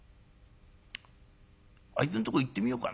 あいつんとこ行ってみようかな。